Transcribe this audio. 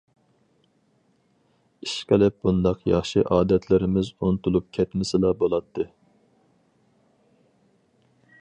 ئىشقىلىپ بۇنداق ياخشى ئادەتلىرىمىز ئۇنتۇلۇپ كەتمىسىلا بولاتتى!